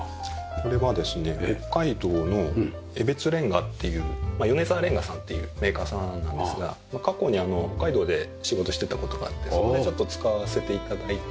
これはですね北海道の江別れんがっていうまあ米澤煉瓦さんっていうメーカーさんなんですが過去に北海道で仕事してた事があってそこでちょっと使わせて頂いて。